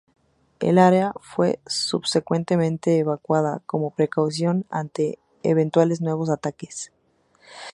El área fue subsecuentemente evacuada como precaución ante eventuales nuevos ataques.